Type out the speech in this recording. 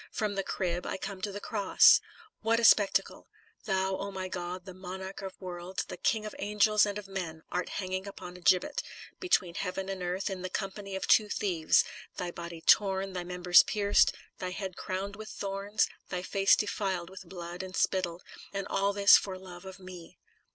From the crib, I come to the cross. What a spec tacle! Thou, O my God, the Monarch of worlds, the King of angels and of men, art hanging on a gibbet, between heaven and earth, in the company of two thieves; thy body torn, thy members pierced, thy head crowned with thorns, thy face defiled with blood and spittle, and all this for love of me!